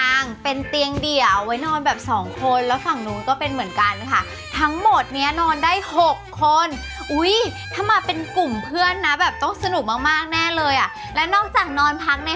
อะเดี๋ยวเราเข้าไปดูข้างในกันเลยดีกว่าค่ะ